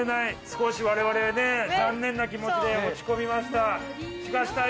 少し我々ね残念な気持ちで落ち込みました。